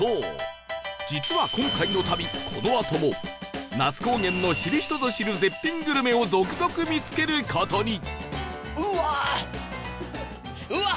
実は今回の旅このあとも那須高原の知る人ぞ知る絶品グルメを続々見つける事に